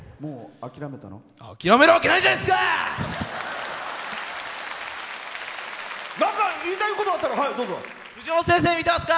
諦めるわけないじゃないっすか！